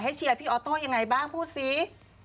ให้เชียร์พี่ออโต้อย่างไรบ้างพูดสิ